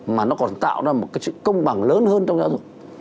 mà nó còn tạo ra một cái sự công bằng lớn hơn trong giáo dục